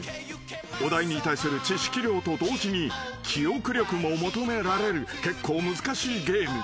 ［お題に対する知識量と同時に記憶力も求められる結構難しいゲーム］